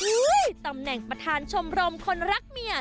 ตำแหน่งประธานชมรมคนรักเมีย